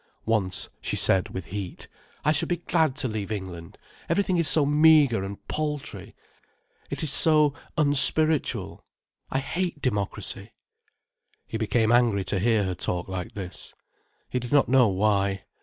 Once she said, with heat: "I shall be glad to leave England. Everything is so meagre and paltry, it is so unspiritual—I hate democracy." He became angry to hear her talk like this, he did not know why.